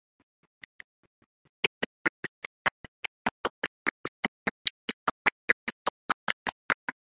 David Bruce "Tad" Campbell is the group's singer, chief songwriter and sole constant member.